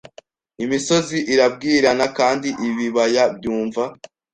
Imisozi irabwirana kandi Ibibaya byumva